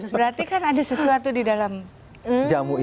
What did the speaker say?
berarti kan ada sesuatu di dalam jamu itu